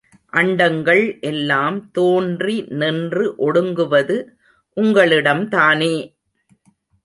அண்டங்கள் எல்லாம் தோன்றி நின்று ஒடுங்குவது உங்களிடம்தானே!